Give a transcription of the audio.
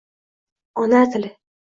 Ona tili